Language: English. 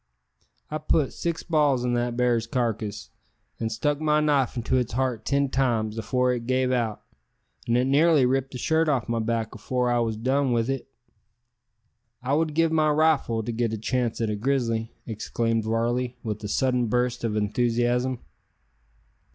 I put six balls in that bar's carcass, and stuck my knife into its heart ten times, afore it gave out; an' it nearly ripped the shirt off my back afore I wos done with it." "I would give my rifle to get a chance at a grizzly!" exclaimed Varley, with a sudden burst of enthusiasm.